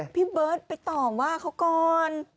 พี่เบิร์ตไปต่อว่าเขาก่อน